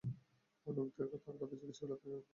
লোকদের তাঁর কথা জিজ্ঞেস করলে তারা তাঁকে দেখিয়ে দিল।